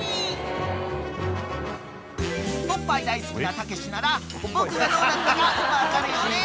［おっぱい大好きなたけしなら僕がどうなったか分かるよね？］